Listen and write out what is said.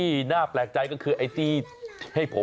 เพื่อนเอาของมาฝากเหรอคะเพื่อนมาดูลูกหมาไงหาถึงบ้านเลยแหละครับ